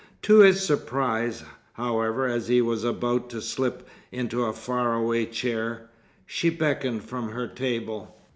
To his surprise, however, as he was about to slip into a far away chair, she beckoned from her table.